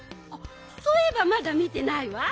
そういえばまだみてないわ。